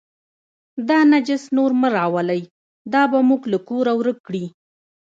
دا نجس نور مه راولئ، دا به موږ له کوره ورک کړي.